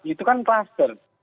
itu kan kluster